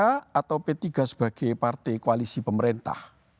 atau p tiga sebagai partai koalisi pemerintah